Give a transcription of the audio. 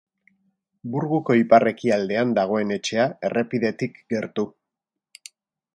Burguko ipar-ekialdean dagoen etxea, errepidetik gertu.